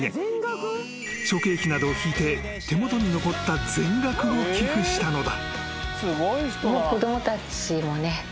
［諸経費などを引いて手元に残った全額を寄付したのだ］